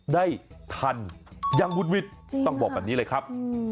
ได้ทันยังวุดวิดต้องบอกแบบนี้เลยครับ